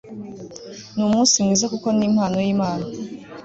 numunsi mwiza kuko nimpano yimana